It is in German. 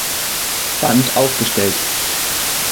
Band aufgestellt.